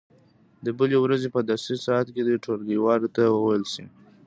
د بلې ورځې په درسي ساعت کې دې ټولګیوالو ته وویل شي.